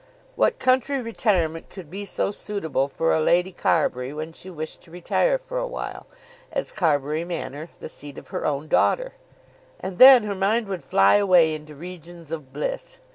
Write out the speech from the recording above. What country retirement could be so suitable for a Lady Carbury when she wished to retire for awhile, as Carbury Manor, the seat of her own daughter? And then her mind would fly away into regions of bliss.